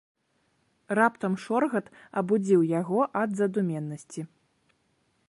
Раптам шоргат абудзіў яго ад задуменнасці.